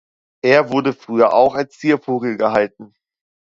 Er wurde früher auch als Ziervogel gehalten.